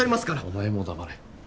お前も黙れ。